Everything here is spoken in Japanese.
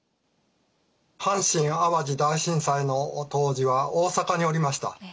阪神淡路大震災の当時は大阪におりました。